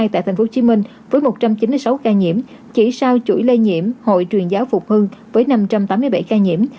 tại tp hcm với một trăm chín mươi sáu ca nhiễm chỉ sau chuỗi lây nhiễm hội truyền giáo phục hưng với năm trăm tám mươi bảy ca nhiễm